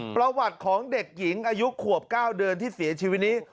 ประวัติของเด็กหญิงอายุขวบ๙เดือนที่เสียชีวิตนี้